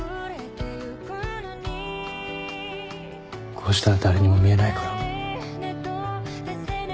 こうしたら誰にも見えないから。